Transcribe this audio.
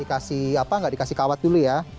dikasih apa nggak dikasih kawat dulu ya